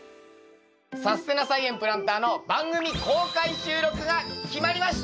「さすてな菜園プランター」の番組公開収録が決まりました！